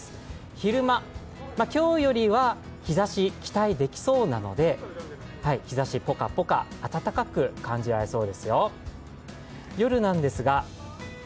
昼間、今日よりは日ざし期待できそうなので日ざしぽかぽか、温かく感じられそうですよ。